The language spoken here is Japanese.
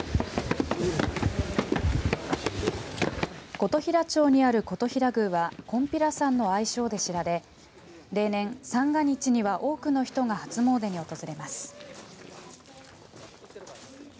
琴平町にある金刀比羅宮はこんぴらさんの愛称で知られ例年、三が日には多くの人が初もうでに訪れます。